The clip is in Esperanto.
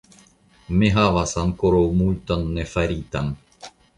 Mi havas ankoraŭ multon nefaritan.